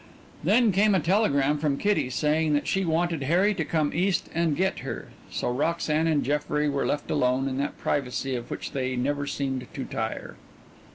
Then came a telegram from Kitty saying that she wanted Harry to come East and get her, so Roxanne and Jeffrey were left alone in that privacy of which they never seemed to tire.